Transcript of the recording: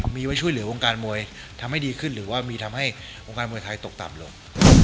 มีไว้ช่วยเหลือวงการมวยทำให้ดีขึ้นหรือว่ามีทำให้วงการมวยไทยตกต่ำลง